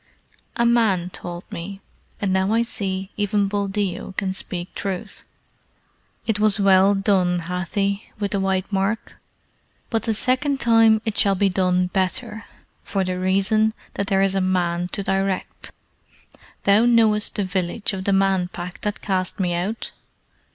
"A man told me, and now I see even Buldeo can speak truth. It was well done, Hathi with the white mark; but the second time it shall be done better, for the reason that there is a man to direct. Thou knowest the village of the Man Pack that cast me out?